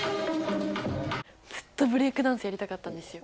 ずっとブレイクダンスやりたかったんですよ。